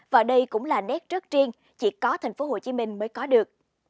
và đây cũng là nét rất riêng chỉ có tp hcm mới có được